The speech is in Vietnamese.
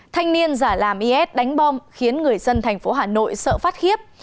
thanh niên giả làm is đánh bom khiến người dân thành phố hà nội sợ phát